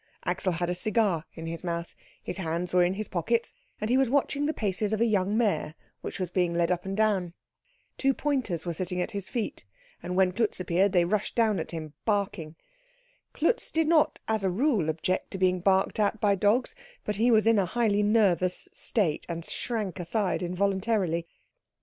Axel had a cigar in his mouth; his hands were in his pockets, and he was watching the paces of a young mare which was being led up and down. Two pointers were sitting at his feet, and when Klutz appeared they rushed down at him barking. Klutz did not as a rule object to being barked at by dogs, but he was in a highly nervous state, and shrank aside involuntarily.